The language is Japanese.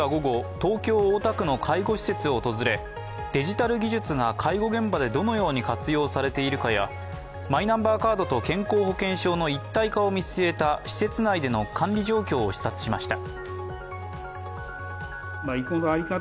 デジタル技術が介護現場でどのように活用されているかやマイナンバーカードと健康保険証の一体化を見据えた施設内での管理状況を視察しました。